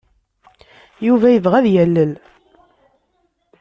Yuba yebɣa ad yalel.